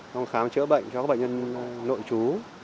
trong khám chữa bệnh cho các bệnh nhân nội chú